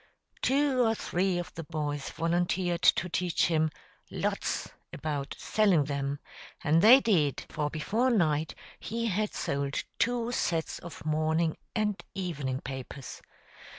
Two or three of the boys volunteered to teach him "lots" about selling them; and they did, for before night he had sold two sets of morning and evening papers.